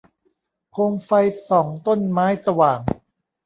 โคมไฟส่องต้นไม้สว่าง